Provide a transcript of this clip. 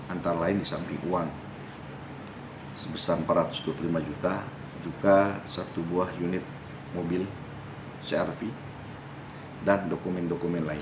antara lain di samping uang sebesar empat ratus dua puluh lima juta juga satu buah unit mobil crv dan dokumen dokumen lain